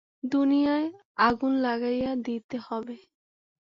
দুনিয়ায় আগুন লাগাইয়ে দিতে হইবে।